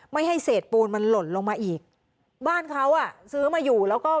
ไม่ให้เศษปูนมันหล่นลงมาอีกบ้านเขาอ่ะซื้อมาอยู่แล้วก็